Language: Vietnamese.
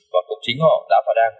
và cũng chính họ đã phá đăng